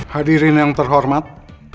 hadirin yang terhormat